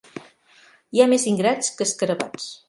Hi ha més ingrats que escarabats.